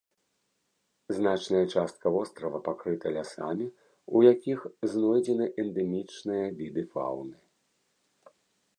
Значная частка вострава пакрыта лясамі, у якіх знойдзены эндэмічныя віды фаўны.